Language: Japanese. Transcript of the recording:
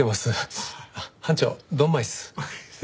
班長ドンマイっす。